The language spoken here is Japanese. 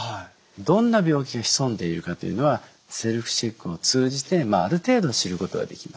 どんな病気が潜んでいるかというのはセルフチェックを通じてある程度知ることができます。